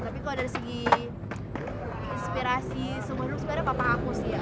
tapi kalau dari segi inspirasi sebenarnya papa aku sih